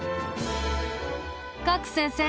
加来先生